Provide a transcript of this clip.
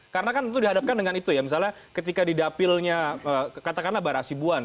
karena kan itu dihadapkan dengan itu ya misalnya ketika didapilnya katakanlah barah asibuan